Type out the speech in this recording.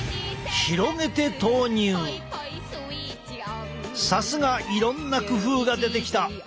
さすがいろんな工夫が出てきた！